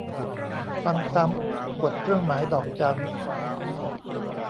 ฟังซ้ำ กดเครื่องหมายดอกจัน